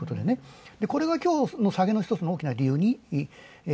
これが今日の大きな下げの大きな理由に。